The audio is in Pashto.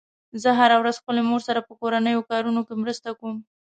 زه هره ورځ خپلې مور سره په کورنیو کارونو کې مرسته کوم